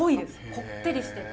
こってりしてて。